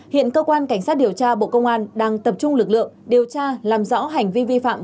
hiện cơ quan cảnh sát điều tra bộ công an đang tập trung lực lượng điều tra làm rõ hành vi vi phạm